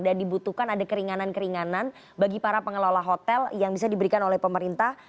dan dibutuhkan ada keringanan keringanan bagi para pengelola hotel yang bisa diberikan oleh pemerintah